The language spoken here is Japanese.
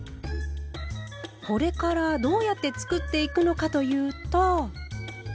これからどうやって作っていくのかというと。